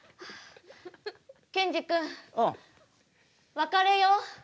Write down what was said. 別れよう。